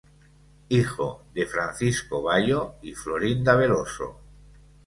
Hijo de Francisco Bayo y Florinda Veloso.